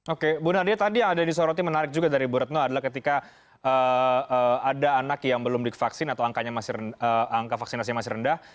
oke bu nadia tadi yang ada disorotnya menarik juga dari buretno adalah ketika ada anak yang belum di vaksin atau angka vaksinasi masih rendah